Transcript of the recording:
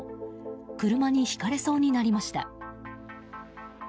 車にひかれそうになりました。